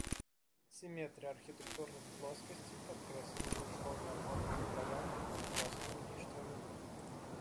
Сіметрыя архітэктурных плоскасцей падкрэслены лучковымі аконнымі праёмамі і плоскімі ліштвамі.